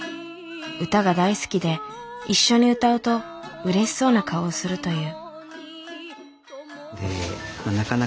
歌が大好きで一緒に歌うとうれしそうな顔をするという。